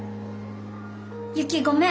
ユキごめん。